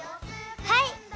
はい！